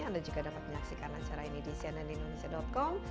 anda juga dapat menyaksikan acara ini di cnnindonesia com